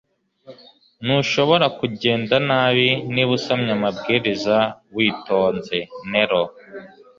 Ntushobora kugenda nabi niba usomye amabwiriza witonze (Nero)